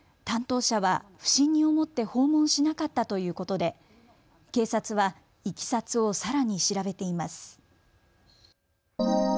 担当者は不審に思って訪問しなかったということで警察はいきさつをさらに調べています。